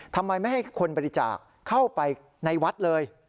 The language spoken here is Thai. ทำไมไม่ให้คนบริจาคเข้าไปในวัดเลย